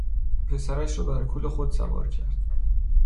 پسرش را بر کول خود سوار کرد.